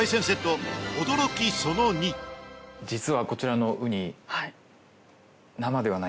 実はこちらのウニ。